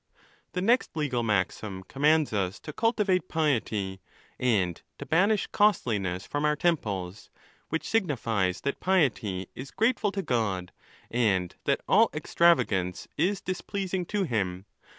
The next legal maxim commands us to cultivate piety, and to banish costliness from our temples; which signifies that piety is grateful to God, and that all extravagance is displeas ing to him.